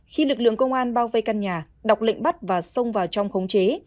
khi lực lượng công an bao vây căn nhà đọc lệnh bắt và xông vào trong khống chế